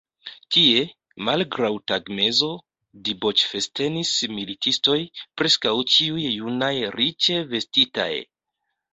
Tie, malgraŭ tagmezo, diboĉfestenis militistoj, preskaŭ ĉiuj junaj, riĉe vestitaj.